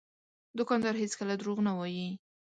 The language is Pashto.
دوکاندار هېڅکله دروغ نه وایي.